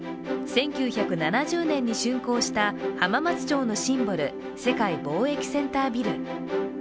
１９７０年に竣工した浜松町のシンボル、世界貿易センタービル。